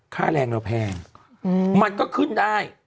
ค่าแรงเราแพงมันก็ขึ้นได้